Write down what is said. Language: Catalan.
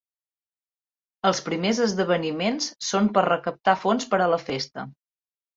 Els primers esdeveniments són per recaptar fons per a la festa.